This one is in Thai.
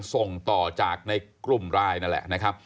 ส่งต่อจากในกลุ่มไลน์นั่นแหละ